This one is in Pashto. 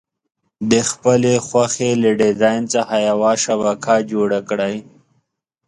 د خپلې خوښې له ډیزاین څخه یوه شبکه جوړه کړئ.